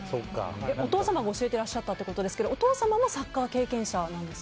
お父様が教えていらっしゃったということですがお父様もサッカー経験者はなんですか。